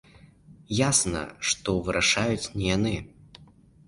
Ясна, што вырашаюць не яны.